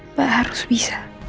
mbak harus bisa